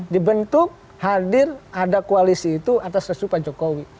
dibentuk hadir ada koalisi itu atas resu pak jokowi